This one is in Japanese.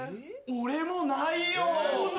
俺もないよ。